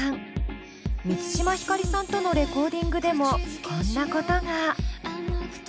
満島ひかりさんとのレコーディングでもこんなことが。